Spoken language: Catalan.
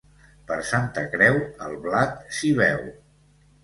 Per Santa Creu, el blat s'hi veu.